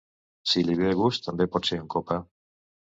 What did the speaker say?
Si li ve de gust, també pot ser en copa.